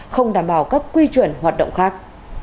không đảm bảo các quy chuẩn hoạt động khác